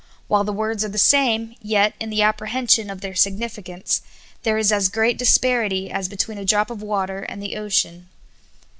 While the words are the same, yet, in the apprehension of their significance, there is as great disparity as between a drop of water and the ocean.